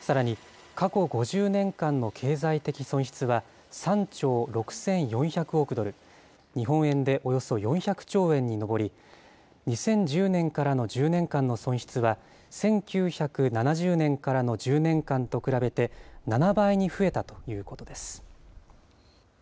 さらに、過去５０年間の経済的損失は３兆６４００億ドル、日本円でおよそ４００兆円に上り、２０１０年からの１０年間の損失は、１９７０年からの１０年間と比べて７倍に増えたということです。